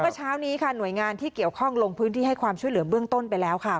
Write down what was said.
เช้านี้ค่ะหน่วยงานที่เกี่ยวข้องลงพื้นที่ให้ความช่วยเหลือเบื้องต้นไปแล้วค่ะ